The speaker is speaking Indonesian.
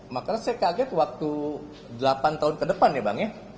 makanya saya kaget waktu delapan tahun ke depan ya bang ya